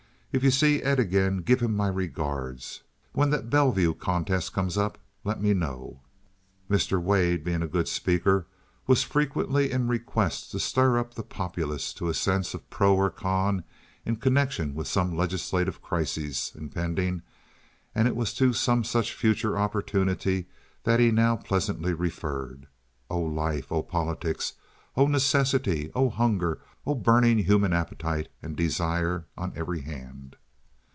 If you see Ed again give him my regards. When that Bellville contest comes up let me know." Mr. Wade, being a good speaker, was frequently in request to stir up the populace to a sense of pro or con in connection with some legislative crisis impending, and it was to some such future opportunity that he now pleasantly referred. O life, O politics, O necessity, O hunger, O burning human appetite and desire on every hand!